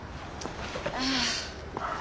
ああ。